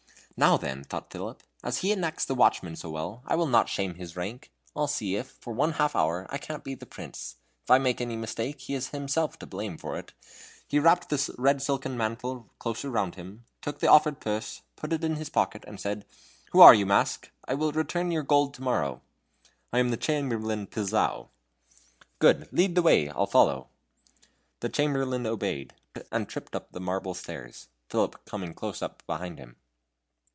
"Now, then," thought Philip, "as he enacts the watchman so well, I will not shame his rank; I'll see if, for one half hour, I can't be the Prince. If I make any mistake, he has himself to blame for it." He wrapped the red silken mantle closer round him, took the offered purse, put it in his pocket, and said: "Who are you, mask? I will return your gold to morrow." "I am the Chamberlain Pilzou." "Good lead the way I'll follow." The Chamberlain obeyed, and tripped up the marble stairs, Philip coming close behind him.